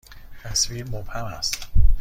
تصویر مبهم است.